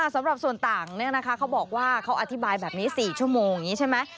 สำหรับส่วนต่างเนี่ยนะคะเขาบอกว่าเขาอธิบายแบบนี้สี่ชั่วโมงนี้ใช่ไหม